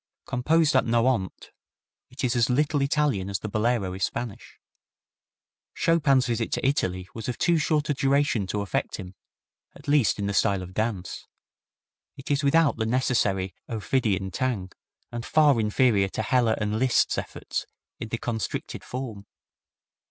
Composed at Nohant, it is as little Italian as the Bolero is Spanish. Chopin's visit to Italy was of too short a duration to affect him, at least in the style of dance. It is without the necessary ophidian tang, and far inferior to Heller and Liszt's efforts in the constricted form.